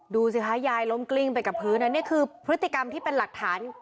ดูสิคะยายล้มกลิ้งไปกับพื้นอันนี้คือพฤติกรรมที่เป็นหลักฐาน